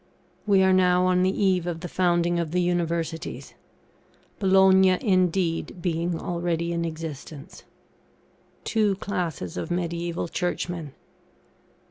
We are now on the eve of the founding of the Universities; Bologna, indeed, being already in existence. [TWO CLASSES OF MEDIEVAL CHURCHMEN.